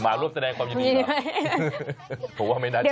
มารวมแสดงความยินดีกันเหรอผมว่าไม่นัดใช่